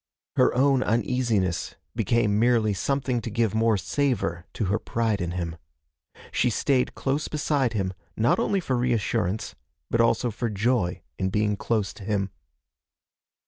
Her own uneasiness became merely something to give more savor to her pride in him. She stayed close beside him, not only for reassurance but also for joy in being close to him.